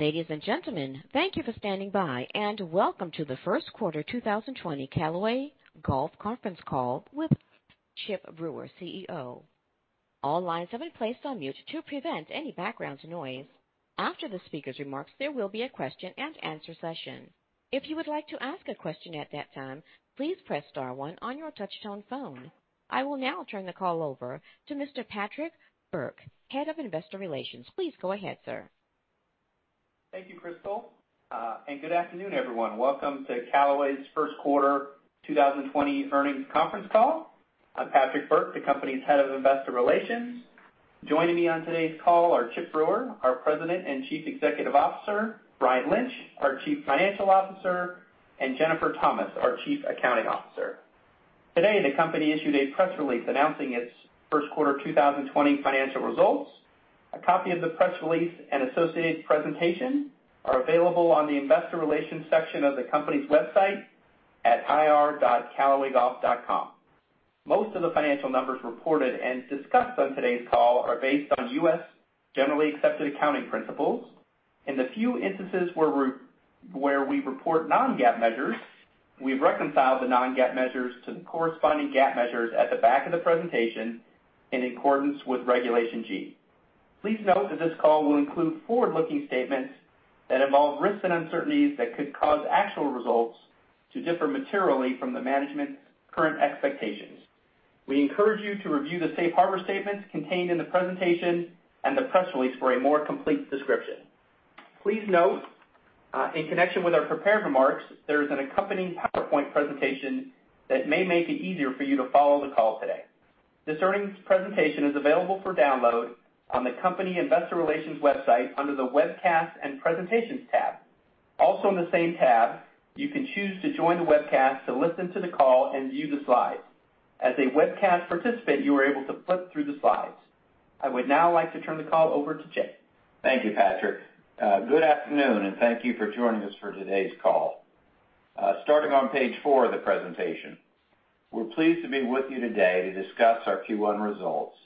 Ladies and gentlemen, thank you for standing by, and Welcome to the First Quarter 2020 Callaway Golf Conference Call with Chip Brewer, CEO. All lines have been placed on mute to prevent any background noise. After the speakers' remarks, there will be a question and answer session. If you would like to ask a question at that time, please press star one on your touch-tone phone. I will now turn the call over to Mr. Patrick Burke, Head of Investor Relations. Please go ahead, sir. Thank you, Crystal, and good afternoon, everyone. Welcome to Callaway's First Quarter 2020 Earnings Conference Call. I'm Patrick Burke, the company's Head of Investor Relations. Joining me on today's call are Chip Brewer, our President and Chief Executive Officer, Brian Lynch, our Chief Financial Officer, and Jennifer Thomas, our Chief Accounting Officer. Today, the company issued a press release announcing its first quarter 2020 financial results. A copy of the press release and associated presentation are available on the investor relations section of the company's website at ir.callawaygolf.com. Most of the financial numbers reported and discussed on today's call are based on U.S. generally accepted accounting principles. In the few instances where we report non-GAAP measures, we've reconciled the non-GAAP measures to the corresponding GAAP measures at the back of the presentation in accordance with Regulation G. Please note that this call will include forward-looking statements that involve risks and uncertainties that could cause actual results to differ materially from the management's current expectations. We encourage you to review the Safe Harbor statements contained in the presentation and the press release for a more complete description. Please note, in connection with our prepared remarks, there is an accompanying PowerPoint presentation that may make it easier for you to follow the call today. This earnings presentation is available for download on the company investor relations website under the Webcast and Presentations tab. Also, in the same tab, you can choose to join the webcast to listen to the call and view the slides. As a webcast participant, you are able to flip through the slides. I would now like to turn the call over to Chip. Thank you, Patrick. Good afternoon, thank you for joining us for today's call. Starting on page four of the presentation. We're pleased to be with you today to discuss our Q1 results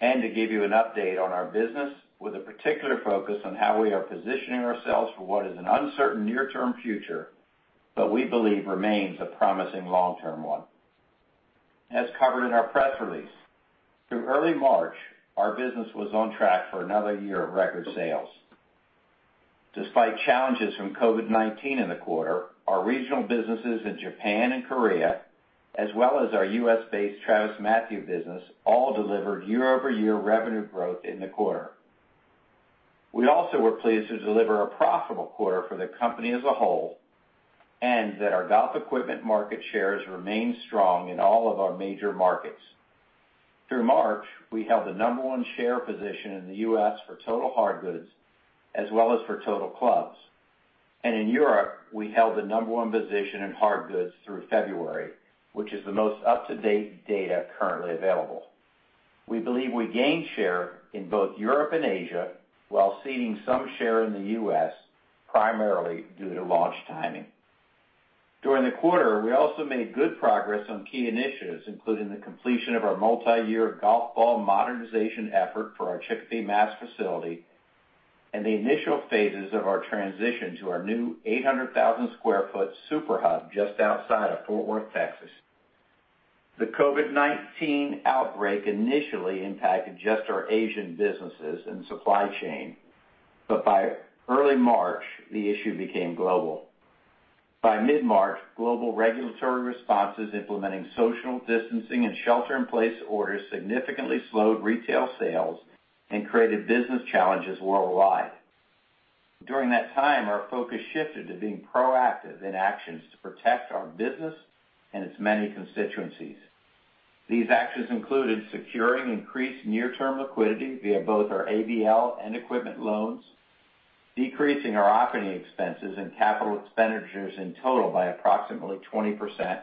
and to give you an update on our business with a particular focus on how we are positioning ourselves for what is an uncertain near-term future, but we believe remains a promising long-term one. As covered in our press release, through early March, our business was on track for another year of record sales. Despite challenges from COVID-19 in the quarter, our regional businesses in Japan and Korea, as well as our U.S.-based TravisMathew business, all delivered year-over-year revenue growth in the quarter. We also were pleased to deliver a profitable quarter for the company as a whole, and that our Golf Equipment market shares remain strong in all of our major markets. Through March, we held the number one share position in the U.S. for total hard goods as well as for total clubs. And in Europe, we held the number one position in hard goods through February, which is the most up-to-date data currently available. We believe we gained share in both Europe and Asia while ceding some share in the U.S., primarily due to launch timing. During the quarter, we also made good progress on key initiatives, including the completion of our multi-year golf ball modernization effort for our Chicopee, Mass. facility and the initial phases of our transition to our new 800,000 sq ft super hub just outside of Fort Worth, Texas. The COVID-19 outbreak initially impacted just our Asian businesses and supply chain, but by early March, the issue became global. By mid-March, global regulatory responses implementing social distancing and shelter-in-place orders significantly slowed retail sales and created business challenges worldwide. During that time, our focus shifted to being proactive in actions to protect our business and its many constituencies. These actions included securing increased near-term liquidity via both our ABL and equipment loans, decreasing our operating expenses and capital expenditures in total by approximately 20%,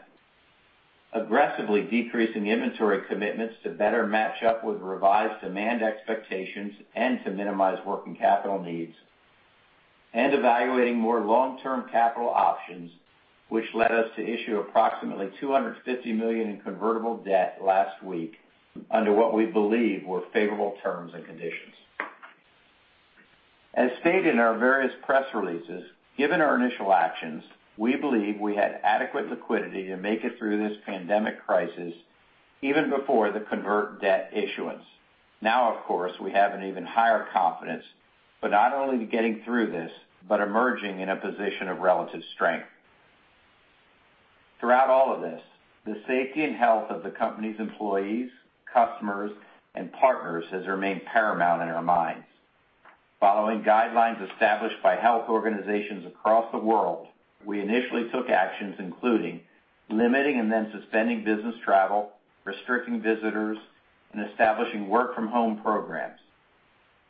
aggressively decreasing inventory commitments to better match up with revised demand expectations and to minimize working capital needs, and evaluating more long-term capital options, which led us to issue approximately $250 million in convertible debt last week under what we believe were favorable terms and conditions. As stated in our various press releases, given our initial actions, we believe we had adequate liquidity to make it through this pandemic crisis even before the convert debt issuance. Now, of course, we have an even higher confidence, but not only to getting through this, but emerging in a position of relative strength. Throughout all of this, the safety and health of the company's employees, customers, and partners has remained paramount in our minds. Following guidelines established by health organizations across the world, we initially took actions including limiting and then suspending business travel, restricting visitors, and establishing work-from-home programs.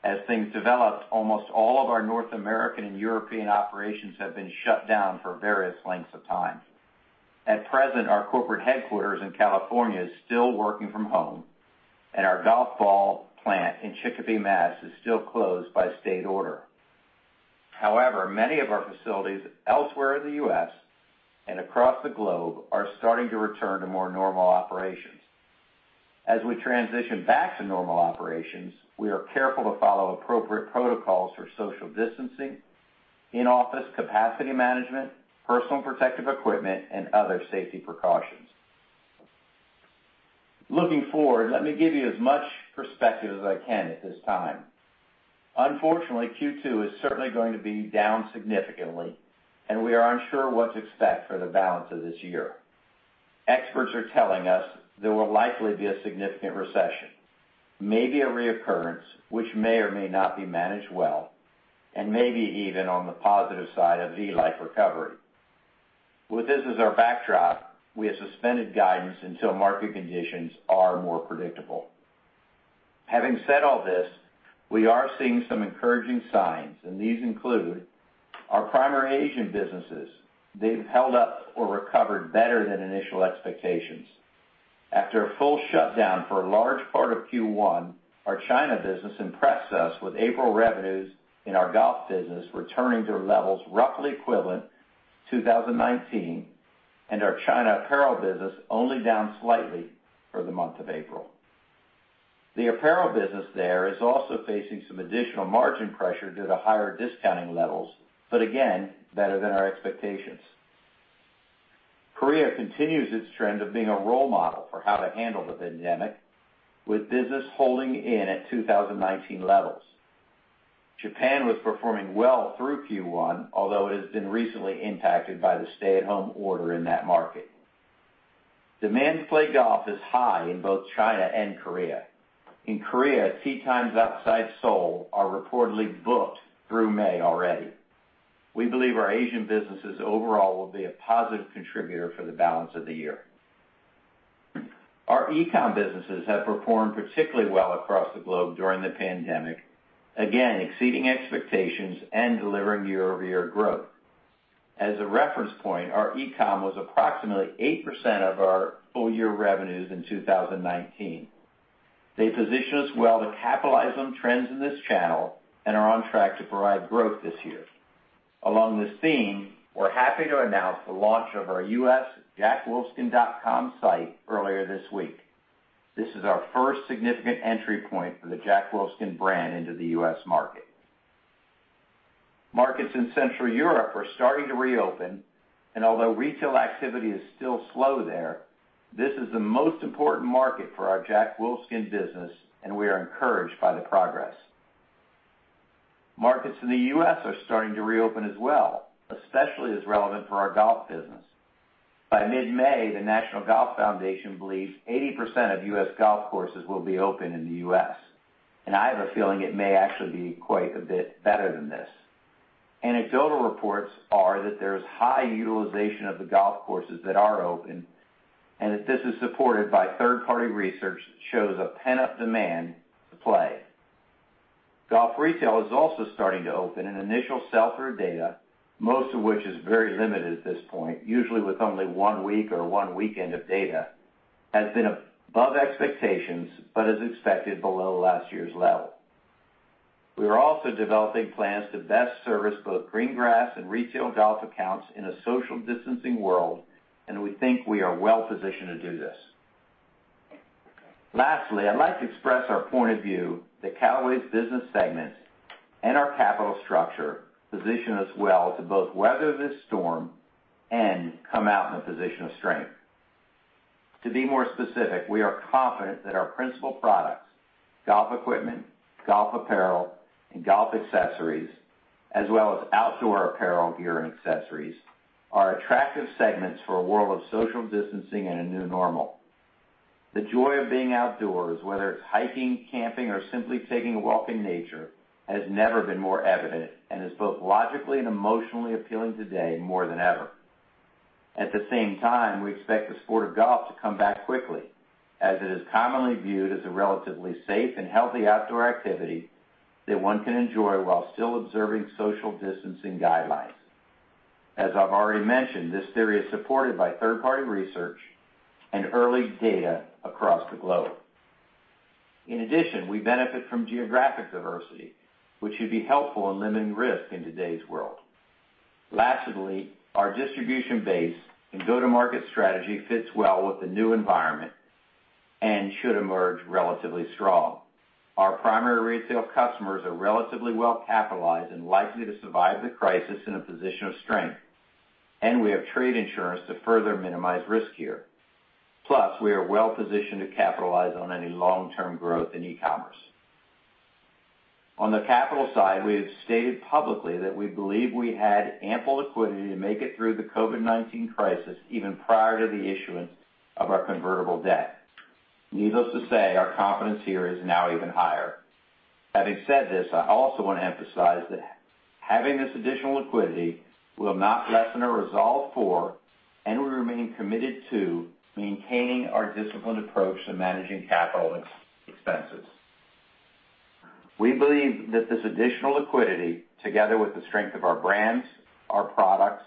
As things developed, almost all of our North American and European operations have been shut down for various lengths of time. At present, our corporate headquarters in California is still working from home, and our golf ball plant in Chicopee, Mass is still closed by state order. However, many of our facilities elsewhere in the U.S. and across the globe are starting to return to more normal operations. As we transition back to normal operations, we are careful to follow appropriate protocols for social distancing, in-office capacity management, personal protective equipment, and other safety precautions. Looking forward, let me give you as much perspective as I can at this time. Unfortunately, Q2 is certainly going to be down significantly, and we are unsure what to expect for the balance of this year. Experts are telling us there will likely be a significant recession, maybe a reoccurrence, which may or may not be managed well, and maybe even on the positive side, a V-like recovery. With this as our backdrop, we have suspended guidance until market conditions are more predictable. Having said all this, we are seeing some encouraging signs, and these include our primary Asian businesses. They've held up or recovered better than initial expectations. After a full shutdown for a large part of Q1, our China business impressed us with April revenues in our golf business returning to levels roughly equivalent to 2019, and our China apparel business only down slightly for the month of April. The apparel business there is also facing some additional margin pressure due to higher discounting levels, but again, better than our expectations. Korea continues its trend of being a role model for how to handle the pandemic, with business holding in at 2019 levels. Japan was performing well through Q1, although it has been recently impacted by the stay-at-home order in that market. Demand to play golf is high in both China and Korea. In Korea, tee times outside Seoul are reportedly booked through May already. We believe our Asian businesses overall will be a positive contributor for the balance of the year. Our e-com businesses have performed particularly well across the globe during the pandemic, again, exceeding expectations and delivering year-over-year growth. As a reference point, our e-com was approximately 8% of our full-year revenues in 2019. They position us well to capitalize on trends in this channel and are on track to provide growth this year. Along this theme, we're happy to announce the launch of our U.S. jackwolfskin.com site earlier this week. This is our first significant entry point for the Jack Wolfskin brand into the U.S. market. Markets in Central Europe are starting to reopen, and although retail activity is still slow there, this is the most important market for our Jack Wolfskin business, and we are encouraged by the progress. Markets in the U.S. are starting to reopen as well, especially as relevant for our golf business. By mid-May, the National Golf Foundation believes 80% of U.S. golf courses will be open in the U.S. I have a feeling it may actually be quite a bit better than this. Anecdotal reports are that there is high utilization of the golf courses that are open, and that this is supported by third-party research that shows a pent-up demand to play. Golf retail is also starting to open. Initial sell-through data, most of which is very limited at this point, usually with only one week or one weekend of data, has been above expectations, but is expected below last year's level. We are also developing plans to best service both green grass and retail golf accounts in a social distancing world. We think we are well-positioned to do this. Lastly, I'd like to express our point of view that Callaway's business segments and our capital structure position us well to both weather this storm and come out in a position of strength. To be more specific, we are confident that our principal products, Golf Equipment, golf apparel, and golf accessories, as well as outdoor Apparel, Gear, and Accessories, are attractive segments for a world of social distancing and a new normal. The joy of being outdoors, whether it's hiking, camping, or simply taking a walk in nature, has never been more evident and is both logically and emotionally appealing today more than ever. At the same time, we expect the sport of golf to come back quickly, as it is commonly viewed as a relatively safe and healthy outdoor activity that one can enjoy while still observing social distancing guidelines. As I've already mentioned, this theory is supported by third-party research and early data across the globe. We benefit from geographic diversity, which should be helpful in limiting risk in today's world. Our distribution base and go-to-market strategy fits well with the new environment and should emerge relatively strong. Our primary retail customers are relatively well-capitalized and likely to survive the crisis in a position of strength, and we have trade insurance to further minimize risk here. We are well-positioned to capitalize on any long-term growth in e-commerce. On the capital side, we have stated publicly that we believe we had ample liquidity to make it through the COVID-19 crisis even prior to the issuance of our convertible debt. Needless to say, our confidence here is now even higher. Having said this, I also want to emphasize that having this additional liquidity will not lessen our resolve for and we remain committed to maintaining our disciplined approach to managing CapEx. We believe that this additional liquidity, together with the strength of our brands, our products,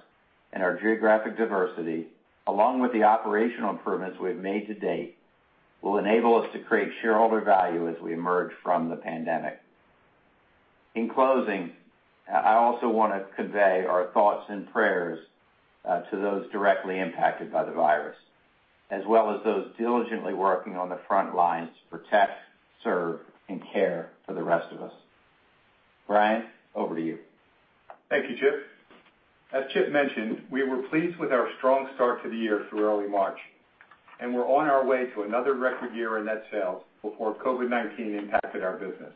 and our geographic diversity, along with the operational improvements we have made to date, will enable us to create shareholder value as we emerge from the pandemic. In closing, I also wanna convey our thoughts and prayers to those directly impacted by the virus, as well as those diligently working on the front lines to protect, serve, and care for the rest of us. Brian, over to you. Thank you, Chip. As Chip mentioned, we were pleased with our strong start to the year through early March, and were on our way to another record year in net sales before COVID-19 impacted our business.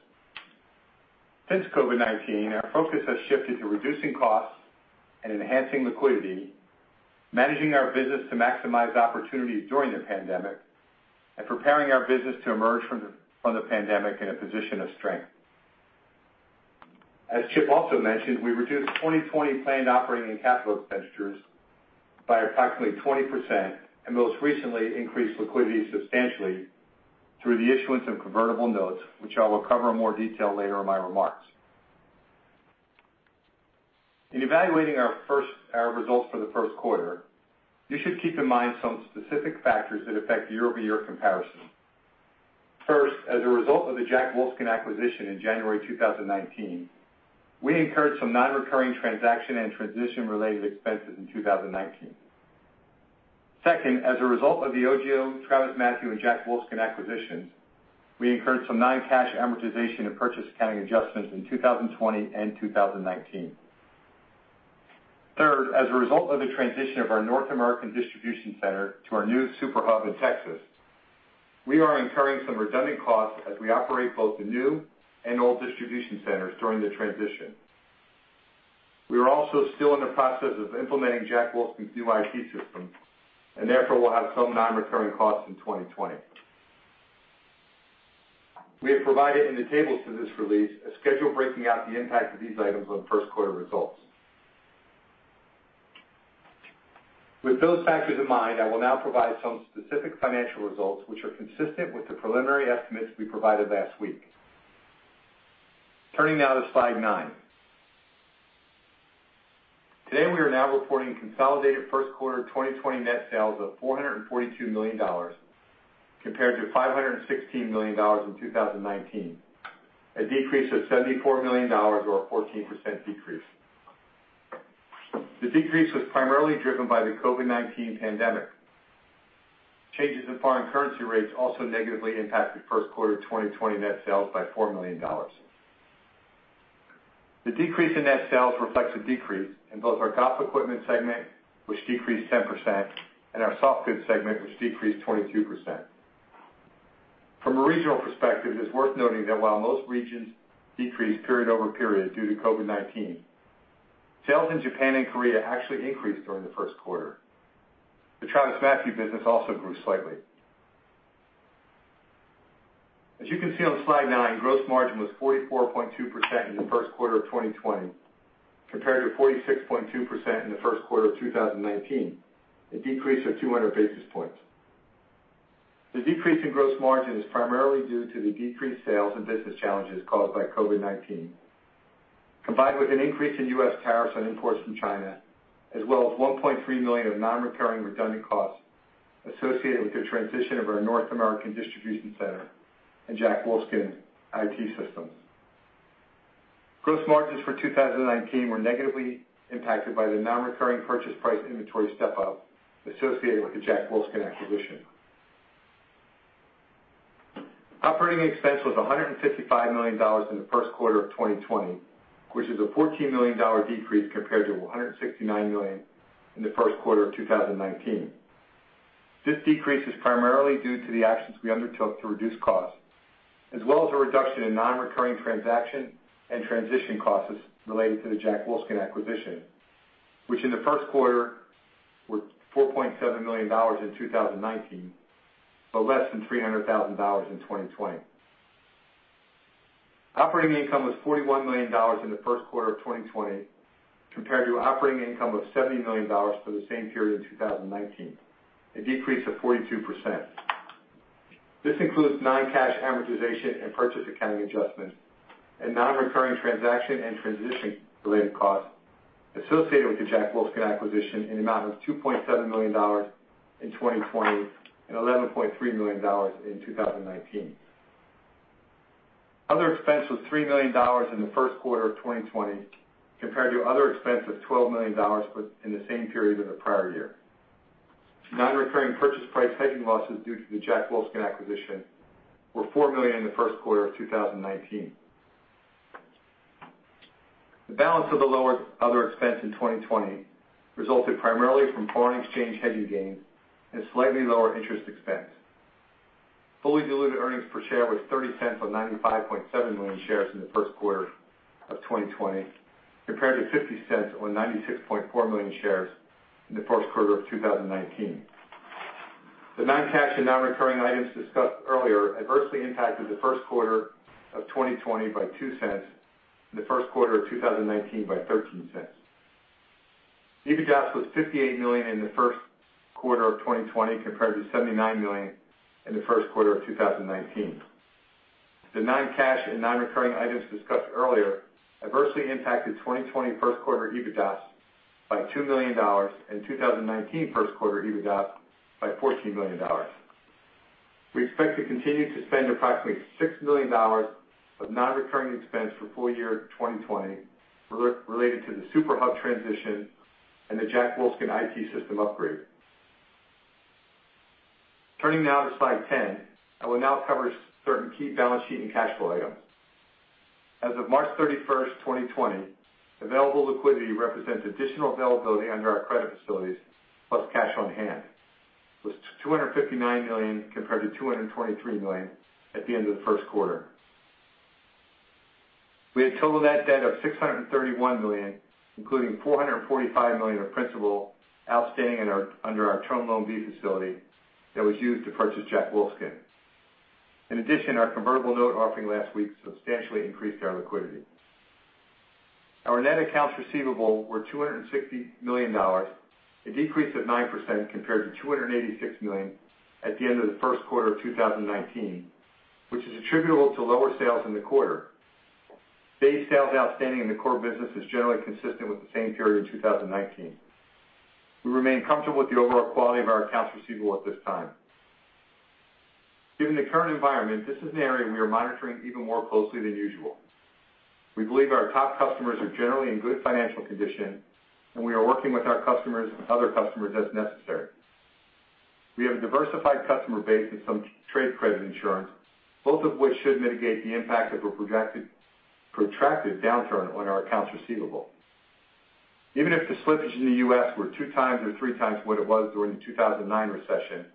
Since COVID-19, our focus has shifted to reducing costs and enhancing liquidity, managing our business to maximize opportunities during the pandemic, and preparing our business to emerge from the pandemic in a position of strength. As Chip also mentioned, we reduced 2020 planned operating and capital expenditures by approximately 20%, and most recently, increased liquidity substantially through the issuance of convertible notes, which I will cover in more detail later in my remarks. In evaluating our results for the first quarter, you should keep in mind some specific factors that affect year-over-year comparison. First, as a result of the Jack Wolfskin acquisition in January 2019, we incurred some non-recurring transaction and transition-related expenses in 2019. Second, as a result of the OGIO, TravisMathew, and Jack Wolfskin acquisitions, we incurred some non-cash amortization and purchase accounting adjustments in 2020 and 2019. Third, as a result of the transition of our North American distribution center to our new super hub in Texas, we are incurring some redundant costs as we operate both the new and old distribution centers during the transition. We are also still in the process of implementing Jack Wolfskin's new IT system, and therefore will have some non-recurring costs in 2020. We have provided in the tables to this release, a schedule breaking out the impact of these items on first quarter results. With those factors in mind, I will now provide some specific financial results, which are consistent with the preliminary estimates we provided last week. Turning now to slide nine. Today, we are now reporting consolidated first quarter 2020 net sales of $442 million, compared to 516 million in 2019, a decrease of $74 million or a 14% decrease. The decrease was primarily driven by the COVID-19 pandemic. Changes in foreign currency rates also negatively impacted first quarter 2020 net sales by $4 million. The decrease in net sales reflects a decrease in both our Golf Equipment segment, which decreased 10%, and our Softgoods segment, which decreased 22%. From a regional perspective, it is worth noting that while most regions decreased period-over-period due to COVID-19, sales in Japan and Korea actually increased during the first quarter. The TravisMathew business also grew slightly. As you can see on slide nine, gross margin was 44.2% in the first quarter of 2020, compared to 46.2% in the first quarter of 2019, a decrease of 200 basis points. The decrease in gross margin is primarily due to the decreased sales and business challenges caused by COVID-19, combined with an increase in U.S. tariffs on imports from China, as well as $1.3 million of non-recurring redundant costs associated with the transition of our North American distribution center and Jack Wolfskin's IT systems. Gross margins for 2019 were negatively impacted by the non-recurring purchase price inventory step-up associated with the Jack Wolfskin acquisition. Operating expense was $155 million in the first quarter of 2020, which is a $14 million decrease compared to 169 million in the first quarter of 2019. This decrease is primarily due to the actions we undertook to reduce costs, as well as a reduction in non-recurring transaction and transition costs related to the Jack Wolfskin acquisition, which in the first quarter, were $4.7 million in 2019, but less than 300,000 in 2020. Operating income was $41 million in the first quarter of 2020, compared to operating income of $70 million for the same period in 2019, a decrease of 42%. This includes non-cash amortization and purchase accounting adjustments and non-recurring transaction and transition-related costs associated with the Jack Wolfskin acquisition in the amount of $2.7 million in 2020 and 11.3 million in 2019. Other expense was $3 million in the first quarter of 2020, compared to other expense of $12 million in the same period of the prior year. Non-recurring purchase price hedging losses due to the Jack Wolfskin acquisition were $4 million in the first quarter of 2019. The balance of the lower other expense in 2020 resulted primarily from foreign exchange hedging gains and slightly lower interest expense. Fully diluted earnings per share was $0.30 on 95.7 million shares in the first quarter of 2020, compared to $0.50 on 96.4 million shares in the first quarter of 2019. The non-cash and non-recurring items discussed earlier adversely impacted the first quarter of 2020 by $0.02, and the first quarter of 2019 by $0.13. EBITDAS was $58 million in the first quarter of 2020, compared to $79 million in the first quarter of 2019. The non-cash and non-recurring items discussed earlier adversely impacted 2020 first quarter EBITDAS by $2 million, and 2019 first quarter EBITDAS by $14 million. We expect to continue to spend approximately $6 million of non-recurring expense for full year 2020 related to the Super Hub transition and the Jack Wolfskin IT system upgrade. Turning now to slide 10, I will now cover certain key balance sheet and cash flow items. As of March 31st, 2020, available liquidity represents additional availability under our credit facilities, plus cash on hand, was $259 million compared to 223 million at the end of the first quarter. We had total net debt of $631 million, including 445 million of principal outstanding under our term loan B facility that was used to purchase Jack Wolfskin. Our convertible note offering last week substantially increased our liquidity. Our net accounts receivable were $260 million, a decrease of 9% compared to $286 million at the end of the first quarter of 2019, which is attributable to lower sales in the quarter. Day sales outstanding in the core business is generally consistent with the same period in 2019. We remain comfortable with the overall quality of our accounts receivable at this time. Given the current environment, this is an area we are monitoring even more closely than usual. We believe our top customers are generally in good financial condition, and we are working with our customers and other customers as necessary. We have a diversified customer base and some trade credit insurance, both of which should mitigate the impact of a protracted downturn on our accounts receivable. Even if the slippage in the U.S. were two times or three times what it was during the 2009 recession,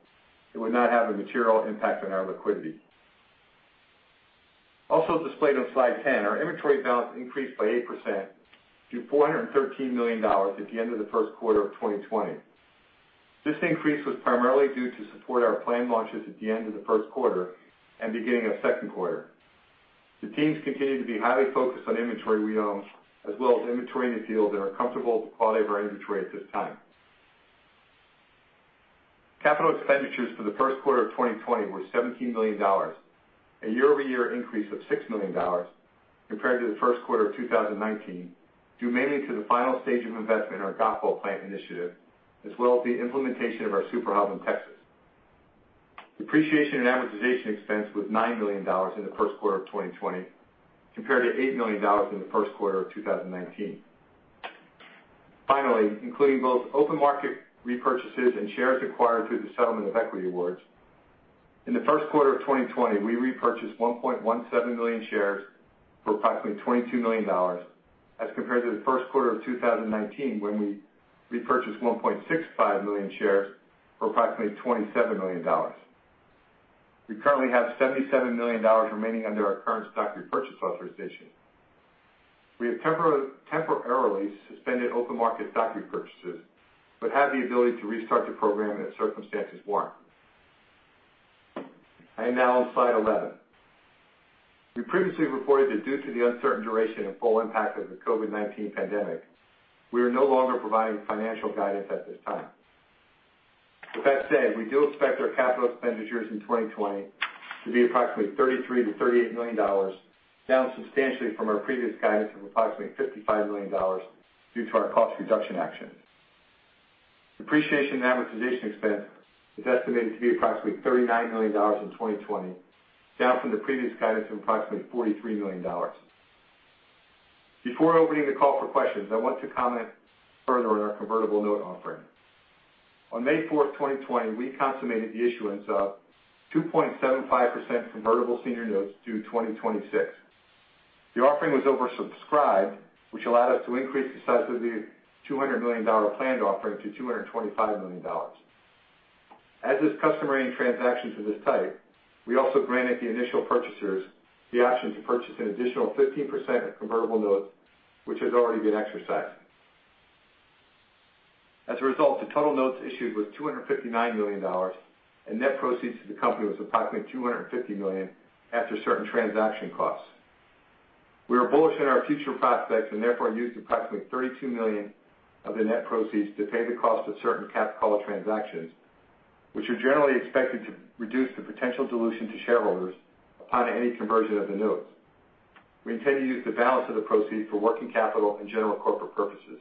it would not have a material impact on our liquidity. Also displayed on slide 10, our inventory balance increased by 8% to $413 million at the end of the first quarter of 2020. This increase was primarily due to support our planned launches at the end of the first quarter and beginning of second quarter. The teams continue to be highly focused on inventory we own, as well as inventory in the field and are comfortable with the quality of our inventory at this time. Capital expenditures for the first quarter of 2020 were $17 million, a year-over-year increase of $6 million compared to the first quarter of 2019, due mainly to the final stage of investment in our Golfball Plant Initiative, as well as the implementation of our Super Hub in Texas. Depreciation and amortization expense was $9 million in the first quarter of 2020 compared to $8 million in the first quarter of 2019. Finally, including both open market repurchases and shares acquired through the settlement of equity awards, in the first quarter of 2020, we repurchased 1.17 million shares for approximately $22 million, as compared to the first quarter of 2019 when we repurchased 1.65 million shares for approximately $27 million. We currently have $77 million remaining under our current stock repurchase authorization. We have temporarily suspended open market stock repurchases but have the ability to restart the program as circumstances warrant. I am now on slide 11. We previously reported that due to the uncertain duration and full impact of the COVID-19 pandemic, we are no longer providing financial guidance at this time. With that said, we do expect our capital expenditures in 2020 to be approximately $33 million-38 million, down substantially from our previous guidance of approximately $55 million due to our cost reduction actions. Depreciation and amortization expense is estimated to be approximately $39 million in 2020, down from the previous guidance of approximately $43 million. Before opening the call for questions, I want to comment further on our convertible note offering. On May 4th, 2020, we consummated the issuance of 2.75% convertible senior notes due 2026. The offering was oversubscribed, which allowed us to increase the size of the $200 million planned offering to 225 million. As is customary in transactions of this type, we also granted the initial purchasers the option to purchase an additional 15% of convertible notes, which has already been exercised. As a result, the total notes issued was $259 million, and net proceeds to the company was approximately $250 million after certain transaction costs. We are bullish on our future prospects and therefore used approximately $32 million of the net proceeds to pay the cost of certain capped call transactions, which are generally expected to reduce the potential dilution to shareholders upon any conversion of the notes. We intend to use the balance of the proceeds for working capital and general corporate purposes.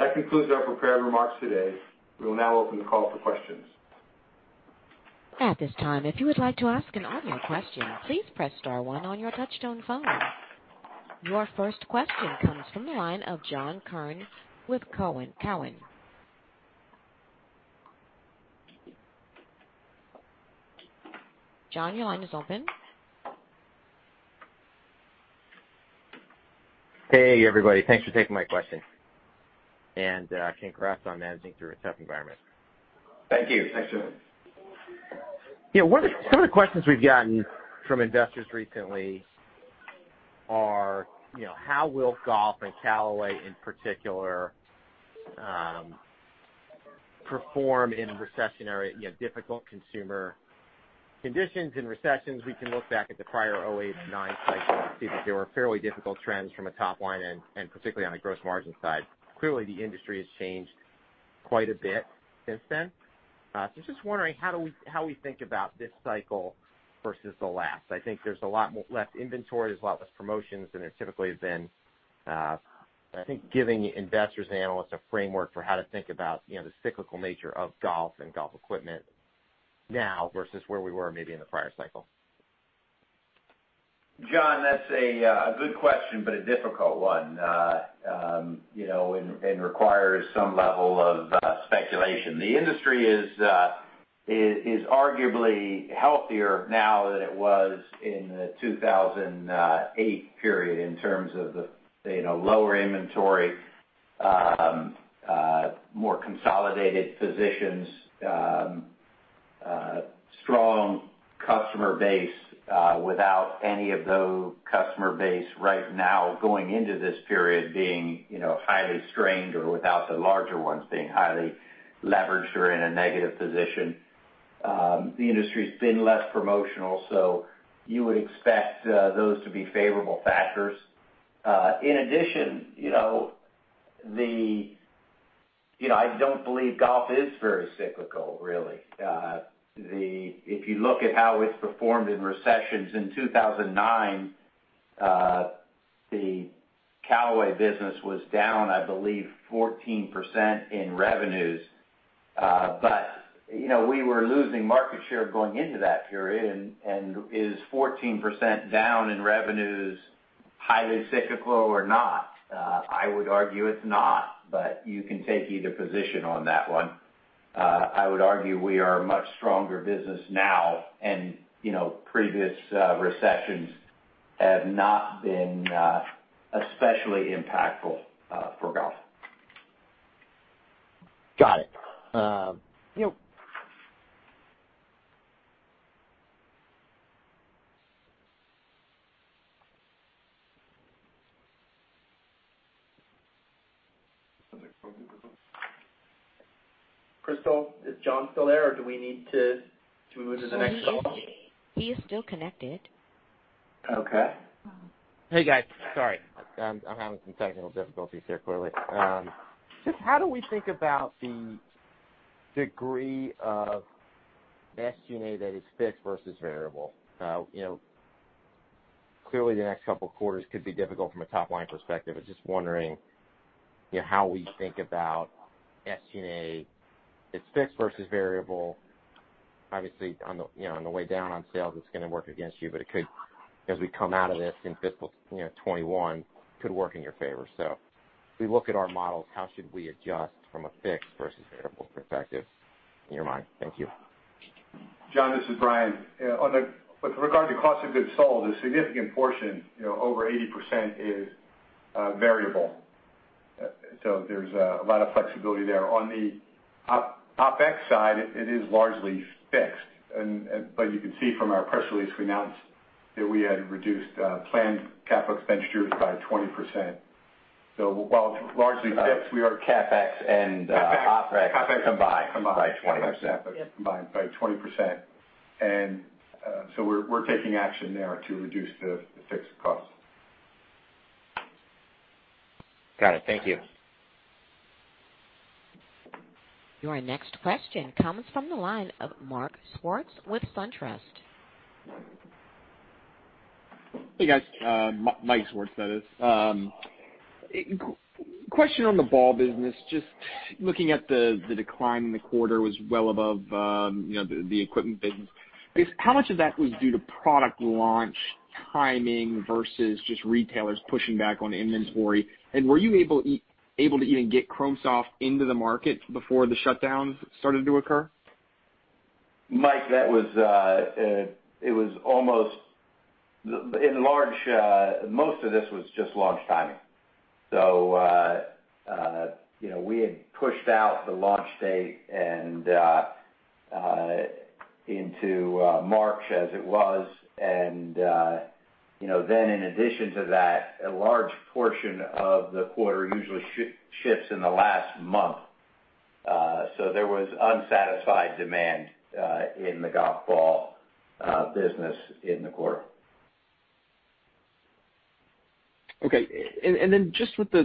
That concludes our prepared remarks today. We will now open the call for questions. At this time, if you would like to ask an audio question, please press star one on your touchtone phone. Your first question comes from the line of John Kernan with Cowen. John, your line is open. Hey, everybody. Thanks for taking my question. Congrats on managing through a tough environment. Thank you. Thanks, John. Yeah, some of the questions we've gotten from investors recently are, you know, how will golf and Callaway in particular perform in a recessionary, difficult consumer conditions. In recessions, we can look back at the prior 2008 and 2009 cycle and see that there were fairly difficult trends from a top line and particularly on the gross margin side. Clearly, the industry has changed quite a bit since then. Just wondering how we think about this cycle versus the last. I think there's a lot less inventory, there's a lot less promotions than there typically has been. I think giving investors and analysts a framework for how to think about the cyclical nature of Golf and Golf Equipment now versus where we were maybe in the prior cycle. John, that's a good question, but a difficult one, you know, and requires some level of speculation. The industry is arguably healthier now than it was in the 2008 period in terms of the lower inventory, more consolidated positions, strong customer base without any of the customer base right now going into this period being highly strained or without the larger ones being highly leveraged or in a negative position. The industry's been less promotional, so you would expect those to be favorable factors. In addition, I don't believe golf is very cyclical, really. If you look at how it's performed in recessions, in 2009, the Callaway business was down, I believe, 14% in revenues. We were losing market share going into that period, and is 14% down in revenues highly cyclical or not? I would argue it's not, but you can take either position on that one. I would argue we are a much stronger business now and previous recessions have not been especially impactful for golf. Got it. Crystal, is John still there, or do we need to move to the next call? He is still connected. Okay. Hey, guys. Sorry. I'm having some technical difficulties here, clearly. Just how do we think about the degree of SG&A that is fixed versus variable? Clearly, the next couple of quarters could be difficult from a top-line perspective. I was just wondering how we think about SG&A, it's fixed versus variable. Obviously, on the way down on sales, it's going to work against you, but it could, as we come out of this in fiscal 2021, could work in your favor. As we look at our models, how should we adjust from a fixed versus variable perspective in your mind? Thank you. John, this is Brian. With regard to cost of goods sold, a significant portion, over 80%, is variable. There's a lot of flexibility there. On the OpEx side, it is largely fixed. You can see from our press release, we announced that we had reduced planned cap expenditures by 20%. While it's largely fixed, we are- CapEx and OpEx combined- OpEx combined- Combined by 20%. Combined by 20%. We're taking action there to reduce the fixed costs. Got it. Thank you. Your next question comes from the line of Mark Swartz with SunTrust. Hey, guys. Mike Swartz, that is. Question on the ball business. Just looking at the decline in the quarter was well above the equipment business. I guess, how much of that was due to product launch timing versus just retailers pushing back on inventory? Were you able to even get Chrome Soft into the market before the shutdowns started to occur? Mike, most of this was just launch timing. We had pushed out the launch date into March as it was. In addition to that, a large portion of the quarter usually shifts in the last month. There was unsatisfied demand in the golf ball business in the quarter. Okay. Just with the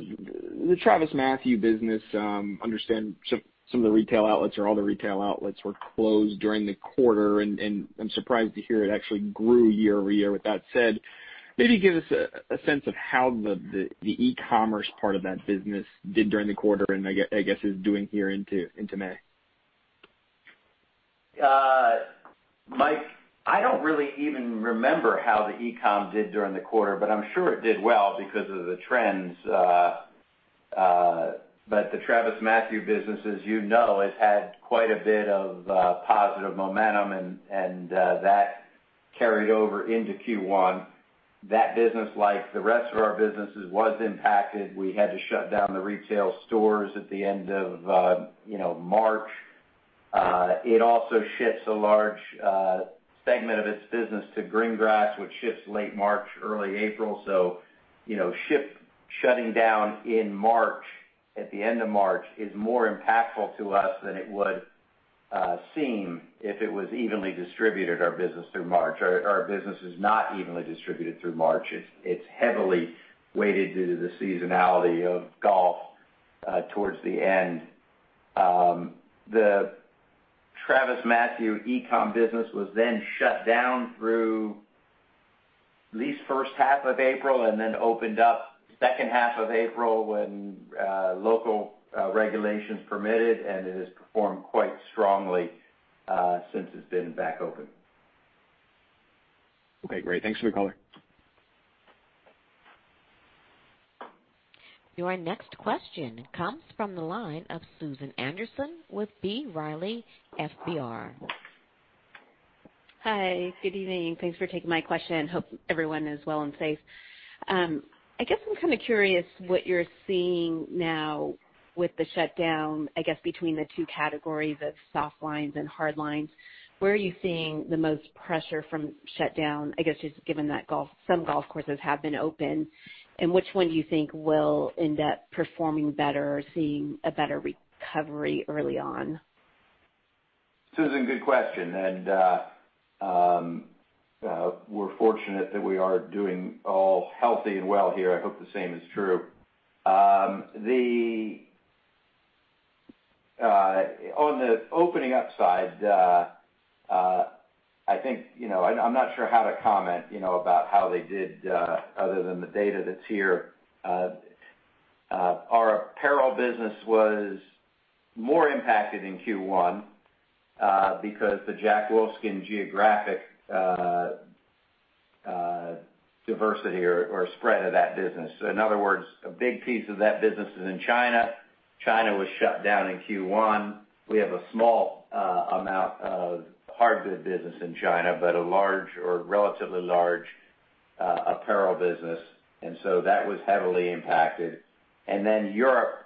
TravisMathew business, I understand some of the retail outlets or all the retail outlets were closed during the quarter, and I'm surprised to hear it actually grew year-over-year. With that said, maybe give us a sense of how the e-commerce part of that business did during the quarter and, I guess, is doing here into May. Mike, I don't really even remember how the e-com did during the quarter, but I'm sure it did well because of the trends. The TravisMathew business, as you know, has had quite a bit of positive momentum, and that carried over into Q1. That business, like the rest of our businesses, was impacted. We had to shut down the retail stores at the end of March. It also ships a large segment of its business to green grass, which ships late March, early April. Shutting down in March, at the end of March, is more impactful to us than it would seem if it was evenly distributed, our business through March. Our business is not evenly distributed through March. It's heavily weighted due to the seasonality of golf towards the end. The TravisMathew e-comm business was shut down through at least the first half of April, opened up the second half of April when local regulations permitted. It has performed quite strongly since it's been back open. Okay, great. Thanks for the color. Your next question comes from the line of Susan Anderson with B. Riley FBR. Hi. Good evening. Thanks for taking my question. Hope everyone is well and safe. I guess I'm kind of curious what you're seeing now with the shutdown, I guess between the two categories of soft lines and hard lines. Where are you seeing the most pressure from shutdown, I guess, just given that some golf courses have been open, and which one do you think will end up performing better or seeing a better recovery early on? Susan, good question. We're fortunate that we are doing all healthy and well here. I hope the same is true. On the opening up side, I'm not sure how to comment about how they did other than the data that's here. Our apparel business was more impacted in Q1, because the Jack Wolfskin geographic diversity or spread of that business. In other words, a big piece of that business is in China. China was shut down in Q1. We have a small amount of hard good business in China, but a large or relatively large apparel business. That was heavily impacted. And then, Europe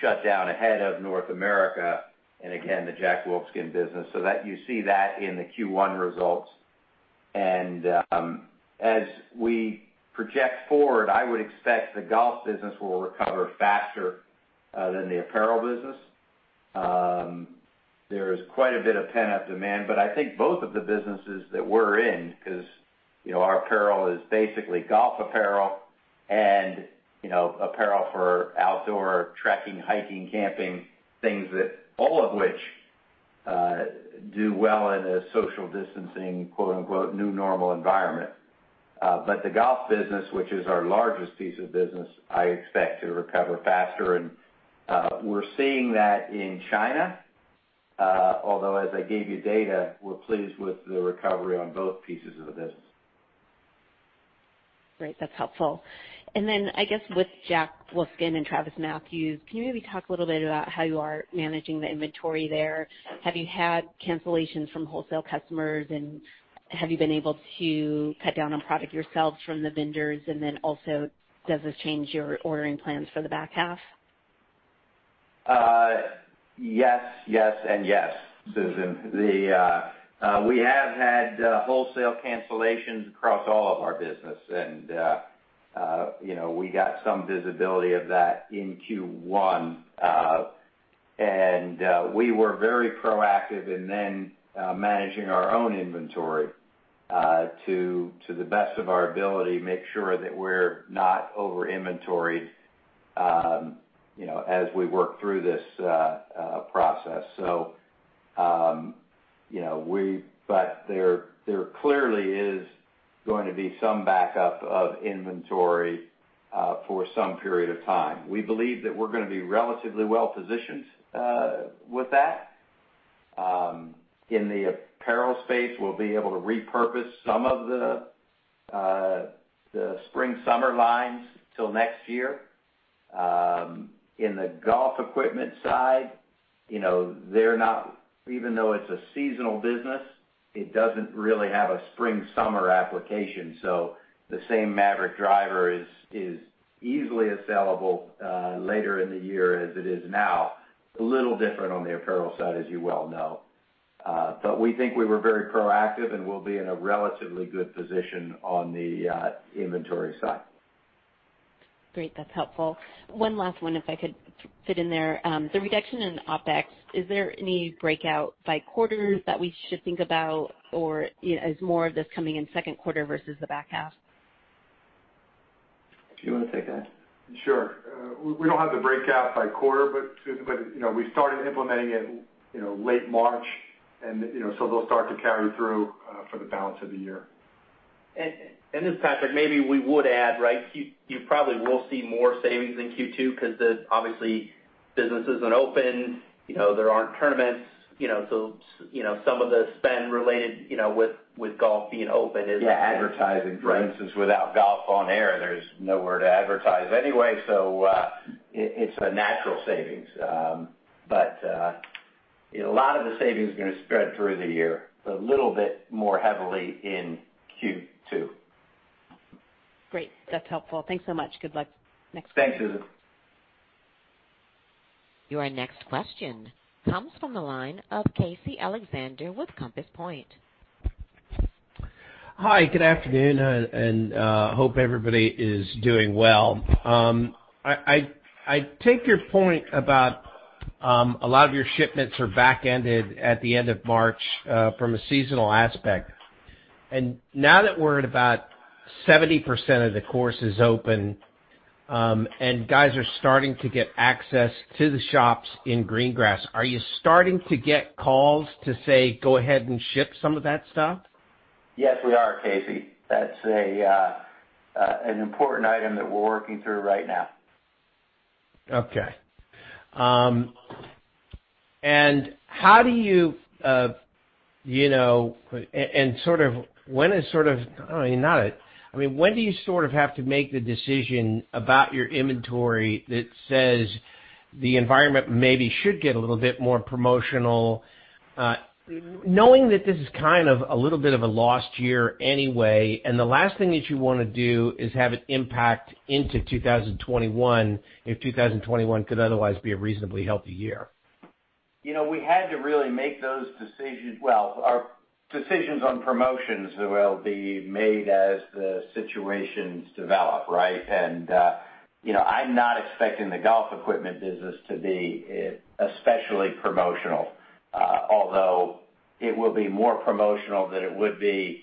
shut down ahead of North America, and again, the Jack Wolfskin business, so you see that in the Q1 results. As we project forward, I would expect the golf business will recover faster than the apparel business. There is quite a bit of pent-up demand, but I think both of the businesses that we're in, because our apparel is basically golf apparel and apparel for outdoor trekking, hiking, camping, things that all of which do well in a social distancing quote-unquote, new normal environment. The golf business, which is our largest piece of business, I expect to recover faster. We're seeing that in China, although as I gave you data, we're pleased with the recovery on both pieces of the business. Great. That's helpful. I guess with Jack Wolfskin and TravisMathew, can you maybe talk a little bit about how you are managing the inventory there? Have you had cancellations from wholesale customers, and have you been able to cut down on product yourselves from the vendors? Also does this change your ordering plans for the back half? Yes, yes, and yes, Susan. We have had wholesale cancellations across all of our business, and, you know, we got some visibility of that in Q1. We were very proactive in then managing our own inventory to the best of our ability, make sure that we're not over inventoried as we work through this process. There clearly is going to be some backup of inventory for some period of time. We believe that we're going to be relatively well-positioned with that. In the apparel space, we'll be able to repurpose some of the spring/summer lines till next year. In the Golf Equipment side, even though it's a seasonal business, it doesn't really have a spring/summer application, so the same MAVRIK drivers is easily as sellable later in the year as it is now. A little different on the apparel side, as you well know. That we think we were very proactive, and we'll be in a relatively good position on the inventory side. Great. That's helpful. One last one if I could fit in there. The reduction in OpEx, is there any breakout by quarters that we should think about, or is more of this coming in second quarter versus the back half? Do you want to take that? Sure. We don't have the breakout by quarter. We started implementing it, you know, late March. They'll start to carry through for the balance of the year. And this is, Patrick, maybe we would add, you probably will see more savings in Q2 because obviously business isn't open, there aren't tournaments, so some of the spend related with golf being open is. Yeah, advertising, for instance. Without golf on air, there's nowhere to advertise anyway, so it's a natural savings. A lot of the savings are going to spread through the year, but a little bit more heavily in Q2. Awesome. Great. That's helpful. Thanks so much. Good luck. Thanks, Susan. Your next question comes from the line of Casey Alexander with Compass Point. Hi, good afternoon. Hope everybody is doing well. I take your point about a lot of your shipments are back-ended at the end of March from a seasonal aspect. Now that we're at about 70% of the course is open, and guys are starting to get access to the shops in green grass, are you starting to get calls to say, "Go ahead and ship some of that stuff"? Yes, we are, Casey. That's an important item that we're working through right now. Okay. When do you have to make the decision about your inventory that says the environment maybe should get a little bit more promotional, knowing that this is kind of a little bit of a lost year anyway, and the last thing that you want to do is have it impact into 2021, if 2021 could otherwise be a reasonably healthy year? We had to really make those decisions. Well, our decisions on promotions will be made as the situations develop, right? I'm not expecting the Golf Equipment business to be especially promotional. It will be more promotional than it would be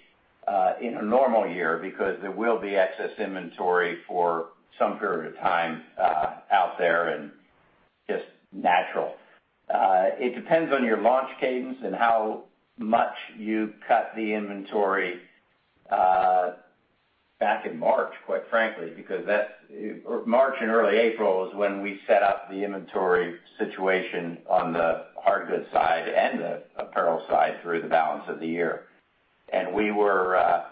in a normal year because there will be excess inventory for some period of time out there, just natural. It depends on your launch cadence and how much you cut the inventory back in March, quite frankly, because March and early April is when we set up the inventory situation on the hard goods side and the apparel side through the balance of the year. We were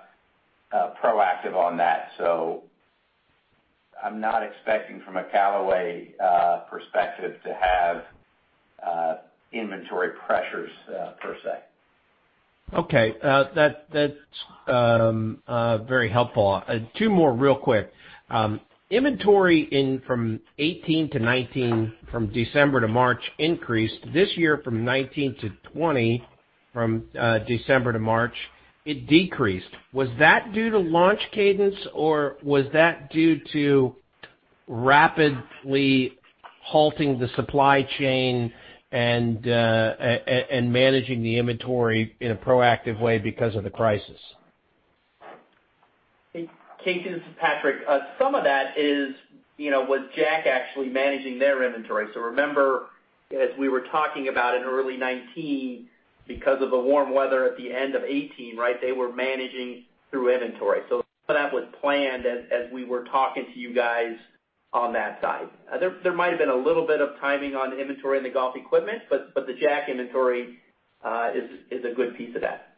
proactive on that, so I'm not expecting from a Callaway perspective to have inventory pressures, per se. Okay. That's very helpful. Two more real quick. Inventory from 2018 to 2019, from December to March increased. This year from 2019 to 2020, from December to March, it decreased. Was that due to launch cadence, or was that due to rapidly halting the supply chain and managing the inventory in a proactive way because of the crisis? Hey, Casey, this is Patrick. Some of that was Jack Wolfskin actually managing their inventory. Remember, as we were talking about in early 2019, because of the warm weather at the end of 2018, right, they were managing through inventory. Some of that was planned as we were talking to you guys on that side. There might've been a little bit of timing on inventory in the Golf Equipment, but the Jack Wolfskin inventory is a good piece of that.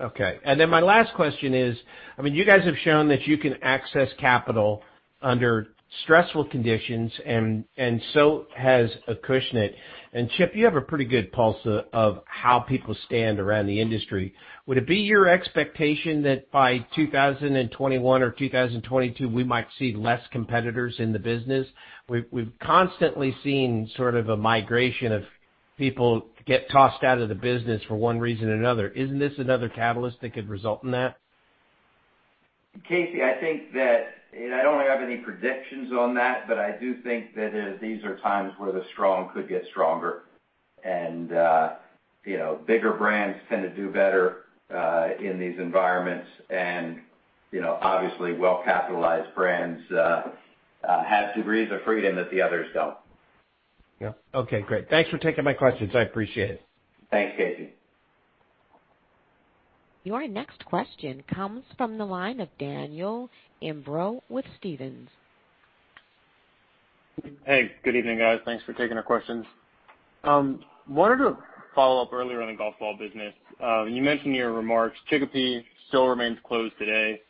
Okay. My last question is, you guys have shown that you can access capital under stressful conditions and so has Acushnet. Chip, you have a pretty good pulse of how people stand around the industry. Would it be your expectation that by 2021 or 2022, we might see less competitors in the business? We've constantly seen sort of a migration of people get tossed out of the business for one reason or another. Isn't this another catalyst that could result in that? Casey, I think that, and I don't have any predictions on that, but I do think that these are times where the strong could get stronger. Bigger brands tend to do better in these environments. Obviously, well-capitalized brands have degrees of freedom that the others don't. Yeah. Okay, great. Thanks for taking my questions. I appreciate it. Thanks, Casey. Your next question comes from the line of Daniel Imbro with Stephens. Hey, good evening, guys. Thanks for taking our questions. Wanted to follow up earlier on the golf ball business. You mentioned in your remarks Chicopee still remains closed today.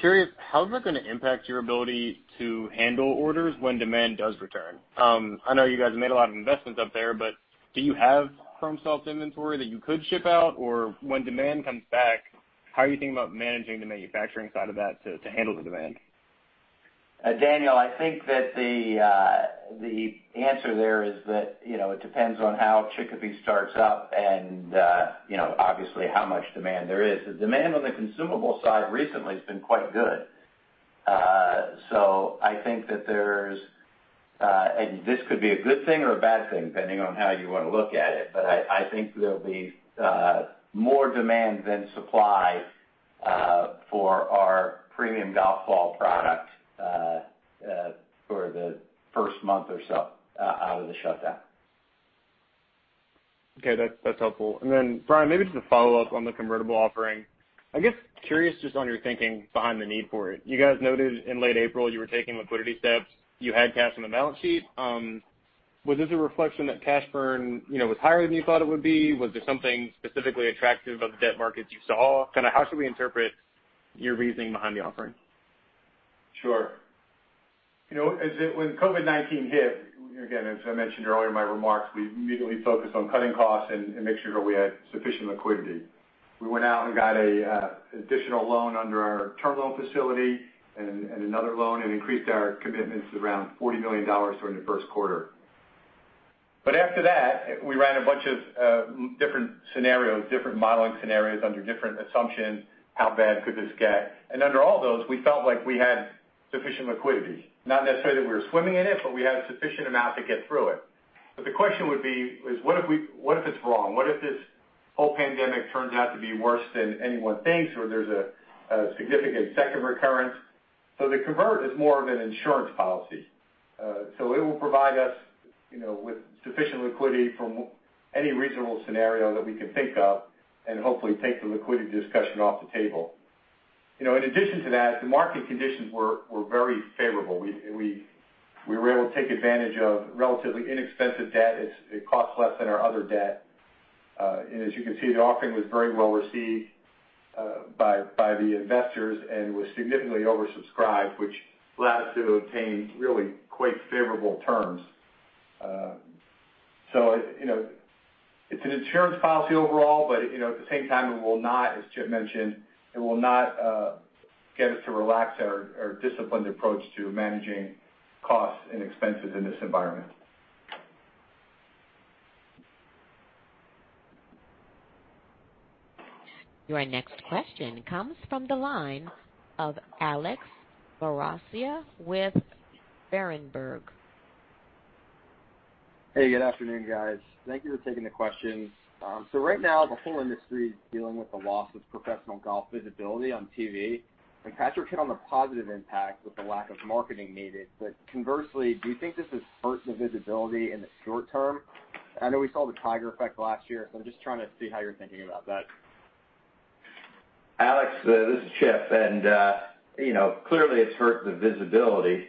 Curious, how is that going to impact your ability to handle orders when demand does return? I know you guys have made a lot of investments up there, but do you have firm soft inventory that you could ship out? When demand comes back, how are you thinking about managing the manufacturing side of that to handle the demand? Daniel, I think that the answer there is that it depends on how Chicopee starts up and obviously how much demand there is. The demand on the consumable side recently has been quite good. I think that there's, and this could be a good thing or a bad thing, depending on how you want to look at it, but I think there'll be more demand than supply for our premium golf ball product for the first month or so out of the shutdown. Okay. That's helpful. Brian, maybe just a follow-up on the convertible offering. I guess, curious just on your thinking behind the need for it. You guys noted in late April you were taking liquidity steps, you had cash on the balance sheet. Was this a reflection that cash burn was higher than you thought it would be? Was there something specifically attractive about the debt markets you saw? How should we interpret your reasoning behind the offering? Sure. When COVID-19 hit, again, as I mentioned earlier in my remarks, we immediately focused on cutting costs and making sure we had sufficient liquidity. We went out and got an additional loan under our term loan facility and another loan, and increased our commitments to around $40 million during the first quarter. After that, we ran a bunch of different scenarios, different modeling scenarios under different assumptions, how bad could this get? Under all those, we felt like we had sufficient liquidity. Not necessarily that we were swimming in it, but we had sufficient amount to get through it. The question would be is, what if it's wrong? What if this whole pandemic turns out to be worse than anyone thinks, or there's a significant second recurrence? The convert is more of an insurance policy. It will provide us with sufficient liquidity from any reasonable scenario that we can think of and hopefully take the liquidity discussion off the table. In addition to that, the market conditions were very favorable. We were able to take advantage of relatively inexpensive debt. It costs less than our other debt. As you can see, the offering was very well received by the investors and was significantly oversubscribed, which allowed us to obtain really quite favorable terms. It's an insurance policy overall, but, at the same time, it will not, as Chip mentioned, it willl not get us to relax our disciplined approach to managing costs and expenses in this environment. Your next question comes from the line of Alex Maroccia with Berenberg. Hey, good afternoon, guys. Thank you for taking the questions. Right now, the whole industry is dealing with the loss of professional golf visibility on TV, and Patrick hit on the positive impact with the lack of marketing needed. Conversely, do you think this has hurt the visibility in the short term? I know we saw the Tiger effect last year, I'm just trying to see how you're thinking about that. Alex, this is Chip. Clearly it's hurt the visibility.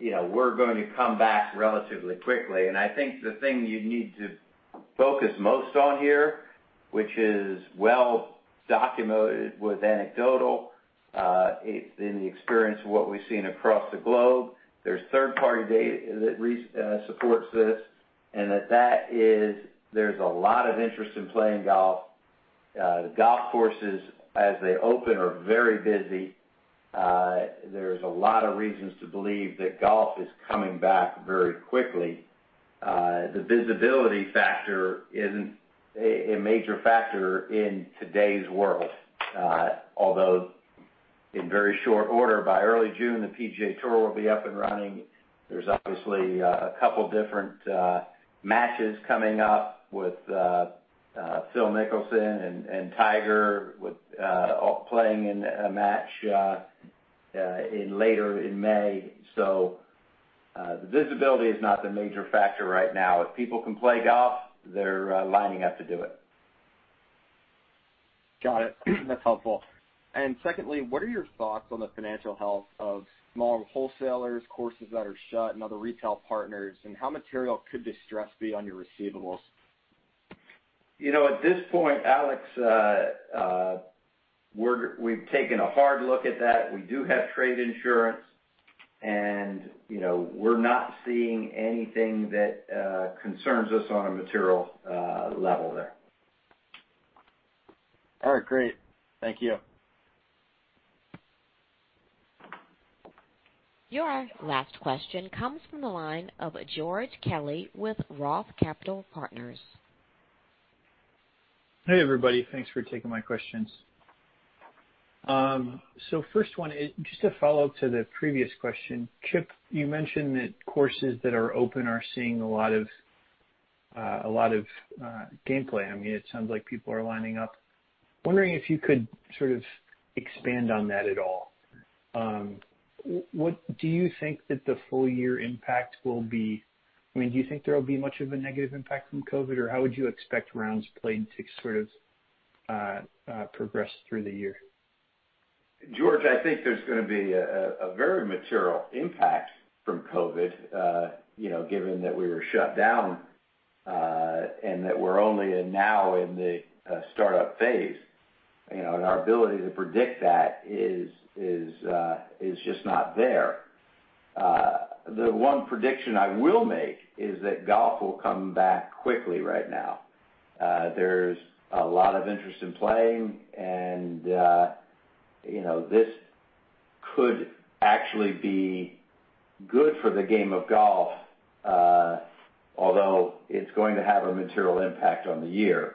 We're going to come back relatively quickly, and I think the thing you need to focus most on here, which is well documented with anecdotal, in the experience of what we've seen across the globe. There's third-party data that supports this, and that is there's a lot of interest in playing golf. The golf courses, as they open, are very busy. There's a lot of reasons to believe that golf is coming back very quickly. The visibility factor isn't a major factor in today's world. Although, in very short order, by early June, the PGA Tour will be up and running. There's obviously a couple different matches coming up with Phil Mickelson and Tiger playing in a match later in May. The visibility is not the major factor right now. If people can play golf, they're lining up to do it. Got it. That's helpful. Secondly, what are your thoughts on the financial health of smaller wholesalers, courses that are shut, and other retail partners, and how material could this stress be on your receivables? At this point, Alex, we've taken a hard look at that. We do have trade insurance, and we're not seeing anything that concerns us on a material level there. All right, great. Thank you. Your last question comes from the line of George Kelly with ROTH Capital Partners. Hey, everybody. Thanks for taking my questions. First one is just a follow-up to the previous question. Chip, you mentioned that courses that are open are seeing a lot of game play. It sounds like people are lining up. Wondering if you could sort of expand on that at all. What do you think that the full year impact will be? Do you think there will be much of a negative impact from COVID-19, or how would you expect rounds played to sort of progress through the year? George, I think there's going to be a very material impact from COVID, given that we were shut down, and that we're only now in the startup phase, and our ability to predict that is just not there. The one prediction I will make is that golf will come back quickly right now. There's a lot of interest in playing, and this could actually be good for the game of golf, although it's going to have a material impact on the year.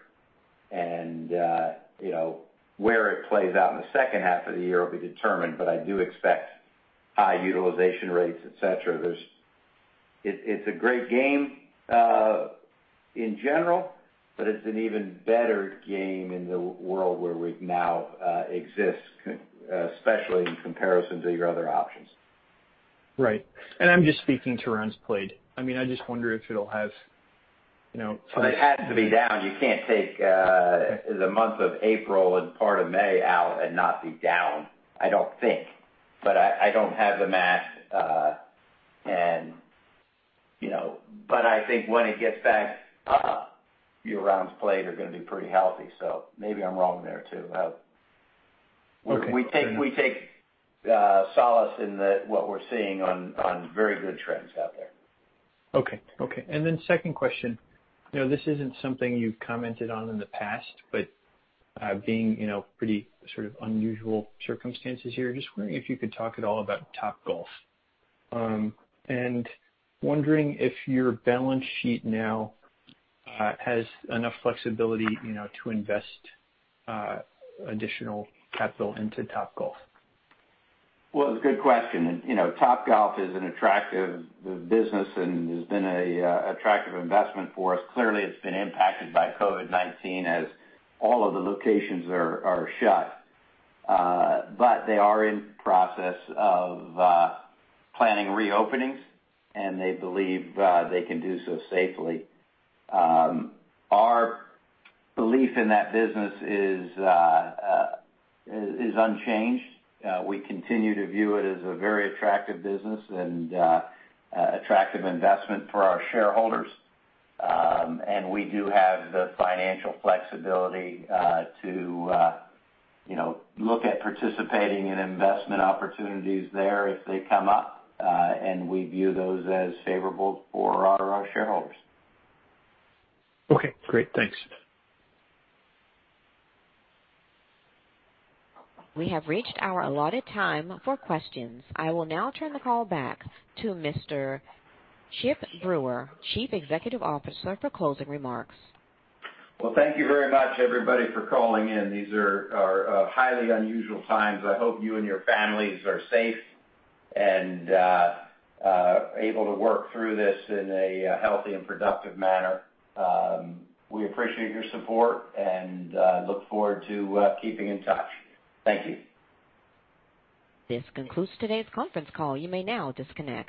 Where it plays out in the second half of the year will be determined, but I do expect high utilization rates, et cetera. It's a great game in general, but it's an even better game in the world where we now exist, especially in comparison to your other options. Right. I'm just speaking to rounds played. I just wonder if it'll have some- It had to be down. You can't take the month of April and part of May out and not be down, I don't think. I don't have the math. I think when it gets back up, your rounds played are going to be pretty healthy. Maybe I'm wrong there, too. Okay. Fair enough. We take solace in what we're seeing on very good trends out there. Okay, okay. And then second question. This isn't something you've commented on in the past, but being pretty sort of unusual circumstances here, just wondering if you could talk at all about Topgolf. wondering if your balance sheet now has enough flexibility to invest additional capital into Topgolf. Well, it's a good question. Topgolf is an attractive business and has been a attractive investment for us. Clearly, it's been impacted by COVID-19, as all of the locations are shut. they are in process of planning re-openings, and they believe they can do so safely. Our belief in that business is unchanged. We continue to view it as a very attractive business and attractive investment for our shareholders. And we do have the financial flexibility to look at participating in investment opportunities there if they come up, and we view those as favorable for our shareholders. Okay, great. Thanks. We have reached our allotted time for questions. I will now turn the call back to Mr. Chip Brewer, Chief Executive Officer, for closing remarks. Well, thank you very much, everybody, for calling in. These are highly unusual times. I hope you and your families are safe and able to work through this in a healthy and productive manner. We appreciate your support and look forward to keeping in touch. Thank you. This concludes today's conference call. You may now disconnect.